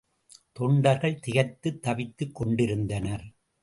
தொண்டர்கள் திகைத்துத் தவித்துக் கொண்டிருந்தனர்.